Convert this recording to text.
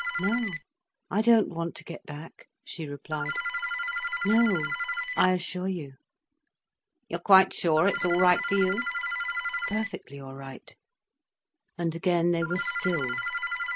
"No, I don't want to get back," she replied. "No, I assure you." "You're quite sure it's all right for you?" "Perfectly all right." And again they were still.